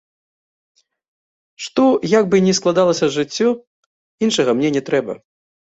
Што, як бы ні складалася жыццё, іншага мне не трэба.